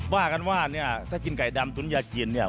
ว่ากันว่าเนี่ยถ้ากินไก่ดำตุ๋นยากินเนี่ย